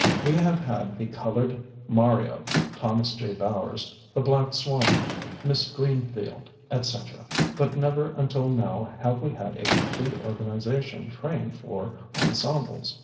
We have had the 'Colored Mario' [Thomas J. Bowers], the 'Black Swan' [Miss Greenfield], &c. but never until now have we had a complete organization trained for ensembles.